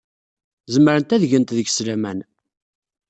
Zemrent ad gent deg-s laman.